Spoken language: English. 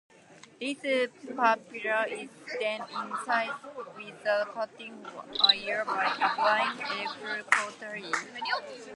The papilla is then incised with the cutting wire by applying electrocautery.